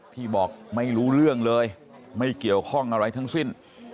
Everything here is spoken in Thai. พี่บอกไม่รู้เรื่องเลยไม่เกี่ยวข้องอะไรทั้งสิ้น